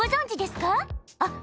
あっ！